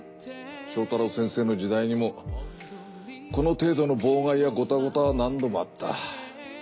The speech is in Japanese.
正太郎先生の時代にもこの程度の妨害やゴタゴタは何度もあった。